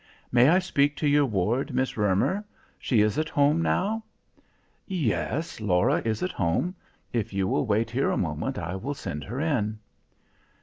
May I speak to your ward, Miss Roemer? She is at home now?" "Yes, Lora is at home. If you will wait here a moment I will send her in."